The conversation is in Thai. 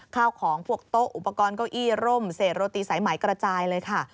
ข้าวของพวกโต๊ะอุปกรณ์เก้าอี้ร่มเศษโรตีสายไหมกระจายเลยค่ะ